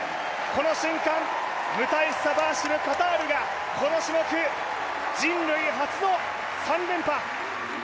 この瞬間、ムタ・エッサ・バーシムカタールがこの種目、人類初の３連覇。